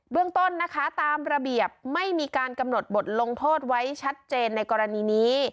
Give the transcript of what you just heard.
เรื่องต้นนะคะตามระเบียบไม่มีการกำหนดบทลงโทษไว้ชัดเจนในกรณีนี้